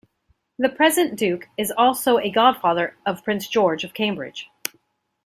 The present Duke is also a godfather of Prince George of Cambridge.